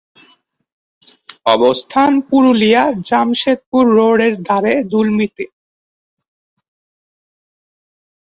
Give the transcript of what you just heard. অবস্থান পুরুলিয়া-জামসেদপুর রোডের ধারে দুলমিতে।